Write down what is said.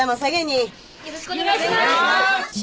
よろしくお願いします。